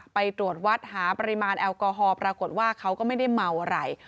ไปตรวจวัดหาปริมาณแอลกอฮอล์ปรากฏว่าเขาก็ไม่ได้เมาอะไร